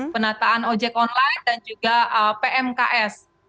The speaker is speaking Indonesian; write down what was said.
penataan ojek online dan juga pmks